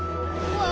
うわ！